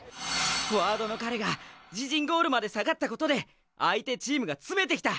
フォワードの彼が自陣ゴールまで下がったことで相手チームが詰めてきた。